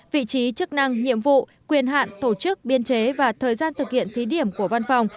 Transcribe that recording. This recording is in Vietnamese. vị trí chức năng nhiệm vụ quyền hạn tổ chức biên chế và thời gian thực hiện thí điểm của văn phòng